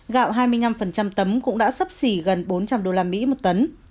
gạo hai mươi năm tấm cũng đã sắp xỉ gần bốn trăm linh usd một tấn